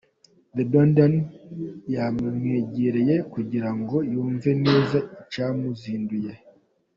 The Rwandan yamwegereye kugira ngo yumve neza icyamuzinduye.